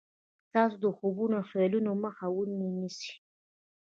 ستاسې د خوبونو او خيالونو مخه و نه نيسي.